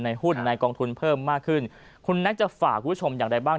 หุ้นในกองทุนเพิ่มมากขึ้นคุณแน็กจะฝากคุณผู้ชมอย่างไรบ้าง